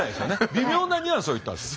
微妙なニュアンスを言ったんです。